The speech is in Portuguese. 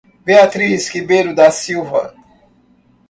Beatriz Ribeiro da Silva